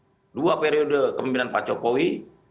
karena dua periode kepemimpinan pak jokowi